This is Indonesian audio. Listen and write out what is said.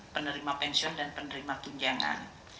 penerima pensiun dan penerima tunjangan